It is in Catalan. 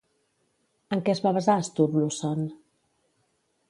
En què es va basar Sturluson?